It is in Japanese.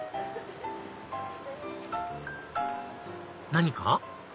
何か？